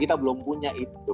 kita belum punya itu